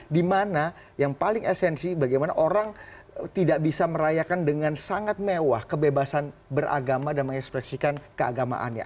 dimana yang paling esensi bagaimana orang tidak bisa merayakan dengan sangat mewah kebebasan beragama dan mengekspresikan keagamaannya